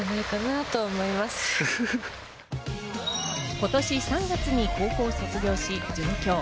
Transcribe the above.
今年３月に高校を卒業し上京。